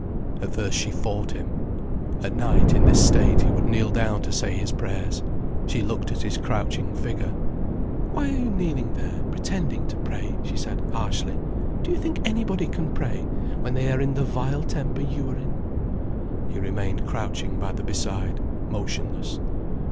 At first she fought him. At night, in this state, he would kneel down to say his prayers. She looked at his crouching figure. "Why are you kneeling there, pretending to pray?" she said, harshly. "Do you think anybody can pray, when they are in the vile temper you are in?" He remained crouching by the beside, motionless.